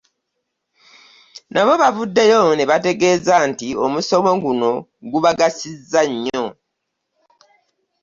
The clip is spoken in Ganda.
Nabo bavuddeyo ne bategeeza nti omusomo guno gubagasizza nnyo.